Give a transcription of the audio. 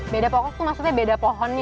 beda pokok tuh maksudnya beda pohonnya